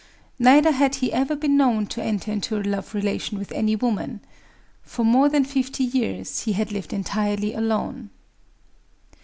Neither had he ever been known to enter into a love relation with any woman. For more than fifty years he had lived entirely alone.